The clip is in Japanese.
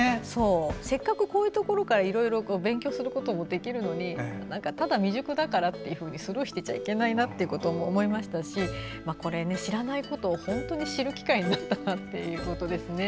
せっかく、こういうところからいろいろ勉強することもできるのにただ未熟だからってスルーしてたらいけないなと思いましたし、知らないことを本当に知る機会になったなったことですね。